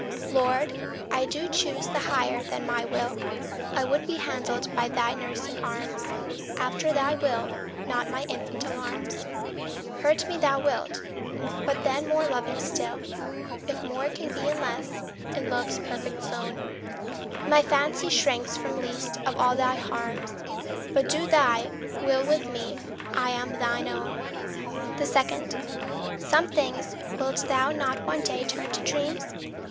LORD, I do choose the higher than my will. I would be handled by thy nursing arms After thy will, not my infant alarms. Hurt me thou wilt but then more loving still, If more can be and less, in love's perfect zone! My fancy shrinks from least of all thy harms, But do thy will with me I am thine own. 2. Some things wilt thou not one day turn to dreams?